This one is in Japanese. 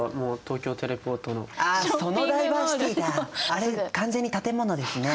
あれ完全に建物ですね。